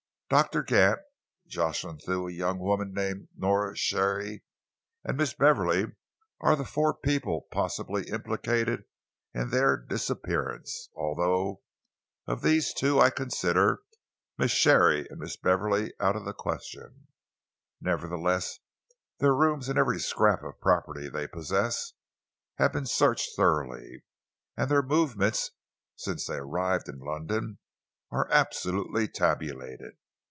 Doctor Gant, Jocelyn Thew, a young woman called Nora Sharey, and Miss Beverley are the four people possibly implicated in their disappearance, although of these two I consider Miss Sharey and Miss Beverley out of the question. Nevertheless, their rooms and every scrap of property they possess have been searched thoroughly, and their movements since they arrived in London are absolutely tabulated.